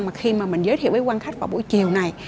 mà khi mà mình giới thiệu với quan khách vào buổi chiều này